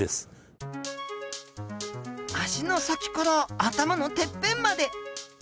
足の先から頭のてっぺんまで。